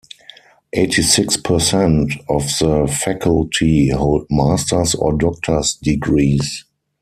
Eighty-six percent of the faculty hold Master's or Doctor's degrees.